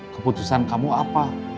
keputusan kamu apa